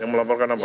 yang melaporkan apa